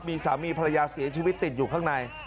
มีสามีภรรยาเสียชีวิตติดอยู่ข้างใน